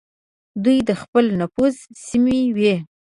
دوی د خپل نفوذ سیمې وې.